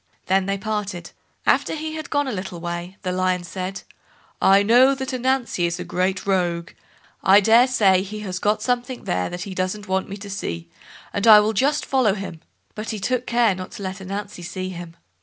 Then they parted. After he had gone a little way, the Lion said, "I know that Ananzi is a great rogue; I daresay he has got something there that he doesn't want me to see, and I will just follow him"; but he took care not to let Ananzi see him.